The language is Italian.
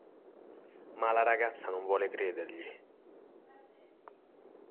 Ma la ragazza non vuole credergli.